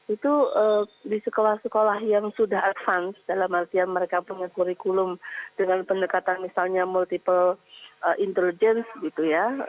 itu di sekolah sekolah yang sudah advance dalam artian mereka punya kurikulum dengan pendekatan misalnya multiple intelligence gitu ya